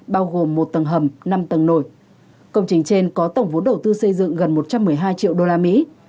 bao gồm một tầng hầm năm tầng nổi công trình trên có tổng vốn đầu tư xây dựng gần một trăm một mươi hai triệu usd